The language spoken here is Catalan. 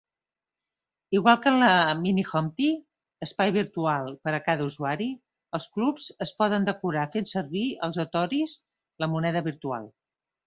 Igual que en la "minihomepy" (espai virtual per a cada usuari), els clubs es poden decorar fent servir els "dotoris" (la moneda virtual).